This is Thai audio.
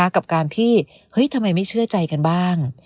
กับการที่เฮ้ยทำไมไม่เชื่อใจกันบ้าง